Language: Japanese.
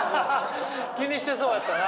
気にしてそうやったな。